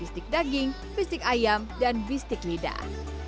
bistik daging bistik ayam dan bistik lidah